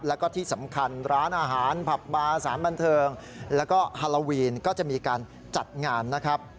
แล้วก็ที่สำคัญร้านอาหารผับบาร์สารบันเทิงแล้วก็ฮาโลวีนก็จะมีการจัดงานนะครับ